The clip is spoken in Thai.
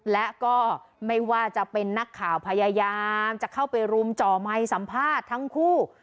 และก็ไม่ว่าจะเป็นนักข่าวพยายามจะเข้าไปรุมจ่อไมค์สัมภาษณ์ทั้งคู่